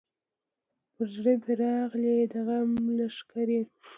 پر زړه مي راغلې د غم لښکري